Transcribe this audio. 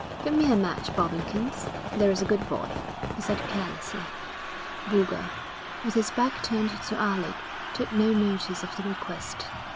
'Give me a match, Bobbikins, there's a good boy,' he said carelessly. Boulger, with his back turned to Alec, took no notice of the request.